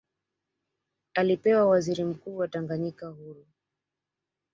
Alipewa uwaziri mkuu wa Tanganyika huru